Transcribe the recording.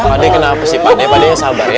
pak d kenapa sih pak d pak d yang sabar ya